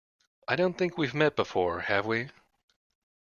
I don't think we've met before, have we?